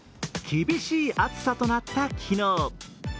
厳しい暑さとなった昨日。